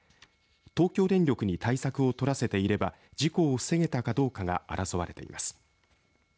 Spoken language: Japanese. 東京電力に対策を取らせていれば事故を防げたかどうかが争われています。